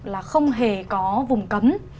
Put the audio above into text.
là không hề có vùng cấm